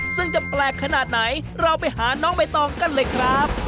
ซึ่งจะแปลกขนาดไหนเราไปหาน้องใบตองกันเลยครับ